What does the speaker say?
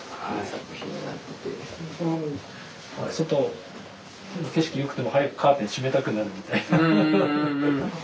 外の景色よくても早くカーテン閉めたくなるみたいな。